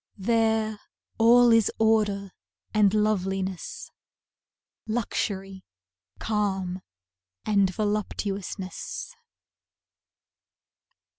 There, all is order and loveliness, Luxury, calm and voluptuousness.